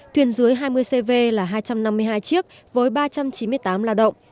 thuyền dưới hai mươi cv là hai trăm năm mươi hai chiếc với ba trăm chín mươi tám lao động